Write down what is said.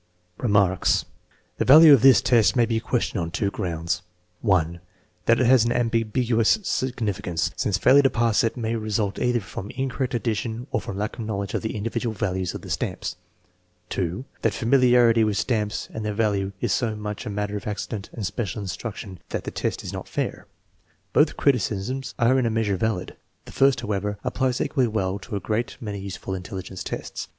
Remarks. The value of this test may be questioned on two grounds: (1) That it has an ambiguous significance, since failure to pass it may result either from incorrect addition or from lack of knowledge of the individual values of the stamps; () that familiarity with stamps and their values is so much a matter of accident and special instruc tion that the test is not fair. Both criticisms are in a measure valid. The first, how ever, applies equally well to a great many useful intelli gence tests.